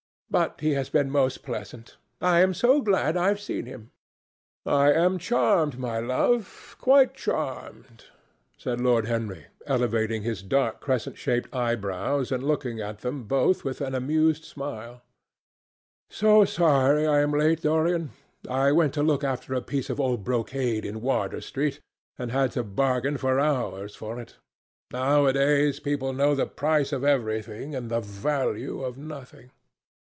But he has been most pleasant. I am so glad I've seen him." "I am charmed, my love, quite charmed," said Lord Henry, elevating his dark, crescent shaped eyebrows and looking at them both with an amused smile. "So sorry I am late, Dorian. I went to look after a piece of old brocade in Wardour Street and had to bargain for hours for it. Nowadays people know the price of everything and the value of nothing."